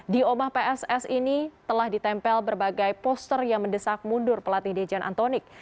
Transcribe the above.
di omah pss ini telah ditempel berbagai poster yang mendesak mundur pelatih dejan antonik